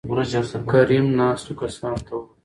کريم : ناستو کسانو ته وويل